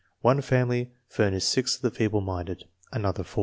One family fur nished 6 of the feeble minded, another 4.